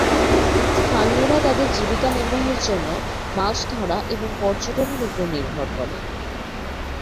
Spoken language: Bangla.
স্থানীয়রা তাদের জীবিকা নির্বাহের জন্য মাছ ধরা এবং পর্যটনের উপর নির্ভর করে।